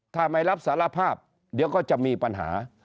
ถ้าไม่รับสารภาพเดี๋ยวก็จะมีปัญหา